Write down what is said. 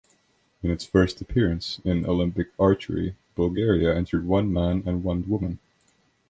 In its first appearance in Olympic archery, Bulgaria entered one man and one woman.